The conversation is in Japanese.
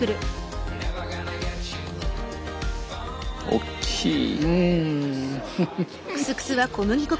おっきい！